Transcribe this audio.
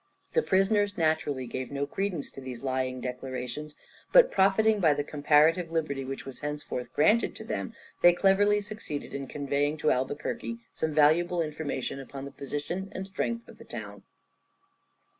The prisoners naturally gave no credence to these lying declarations, but profiting by the comparative liberty which was henceforth granted to them, they cleverly succeeded in conveying to Albuquerque some valuable information upon the position and strength of the town.